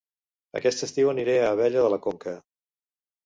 Aquest estiu aniré a Abella de la Conca